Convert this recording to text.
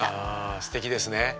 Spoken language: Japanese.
あぁすてきですね。